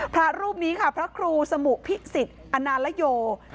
พระรูปนี้ค่ะพระครูสมุพิศิษฐ์อนาลโยครับ